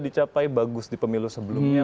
dicapai bagus di pemilu sebelumnya